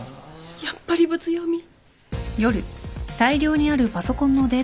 やっぱりブツ読み。